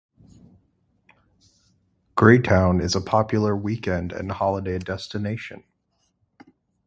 Greytown is a popular weekend and holiday destination.